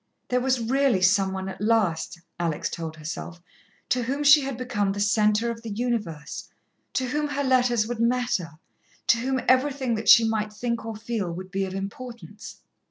There was really some one at last, Alex told herself, to whom she had become the centre of the universe, to whom her letters would matter, to whom everything that she might think or feel would be of importance.